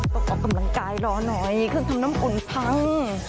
ออกกำลังกายรอหน่อยเครื่องทำน้ำอุ่นพัง